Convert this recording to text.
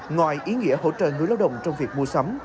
ngoài ý nghĩa hỗ trợ người lao động trong việc mua sắm